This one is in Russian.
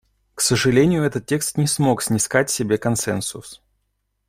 К сожалению, этот текст не смог снискать себе консенсус.